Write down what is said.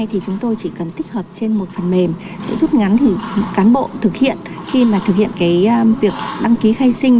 khi thực hiện việc đăng ký khai sinh